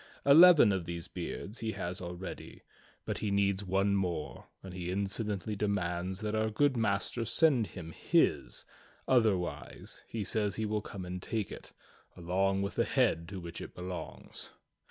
Eleven of these beards he has already, but he needs one more, and he insolently demands that our good Master send him his, otherwise he says he will come and take it, along with the head to which it belongs.